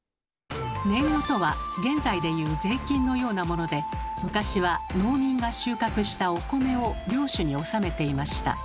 年貢とは現在でいう税金のようなもので昔は農民が収穫したお米を領主におさめていました。